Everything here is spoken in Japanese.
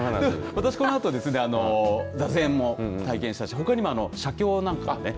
私、このあと別に座禅も体験したし、ほかにも写経なんかもね。